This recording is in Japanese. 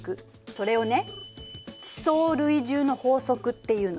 それをね「地層累重の法則」っていうの。